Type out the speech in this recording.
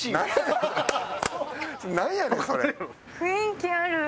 雰囲気ある。